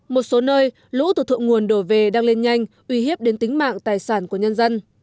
một số nơi lũ từ thượng nguồn đổ về đang lên nhanh uy hiếp đến tính mạng tài sản của nhân dân